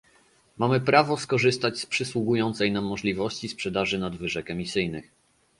Mamy prawo skorzystać z przysługującej nam możliwości sprzedaży nadwyżek emisyjnych